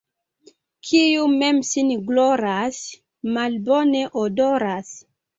Kiu mem sin gloras, malbone odoras.